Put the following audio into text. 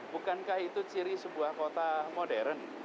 bukankah itu ciri sebuah kota modern